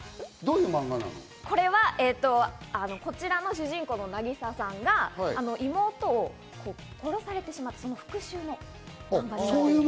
これは、こちらの主人公の渚さんが妹を殺されてしまって、その復讐の漫画なんです。